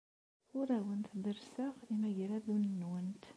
Ur awent-derrseɣ imagraden-nwent.